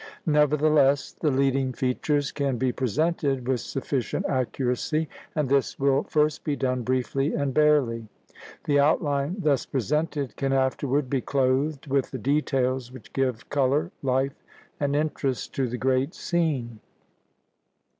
Nevertheless, the leading features can be presented with sufficient accuracy, and this will first be done briefly and barely; the outline thus presented can afterward be clothed with the details which give color, life, and interest to the great scene.